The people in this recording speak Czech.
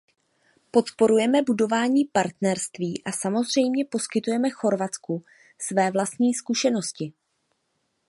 Podporujeme budování partnerství a samozřejmě poskytujeme Chorvatsku své vlastní zkušenosti.